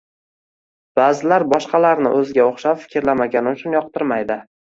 Ba'zilar boshqalarni o‘ziga o‘xshab fikrlamagani uchun yoqtirmaydi